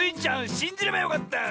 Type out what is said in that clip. しんじればよかった！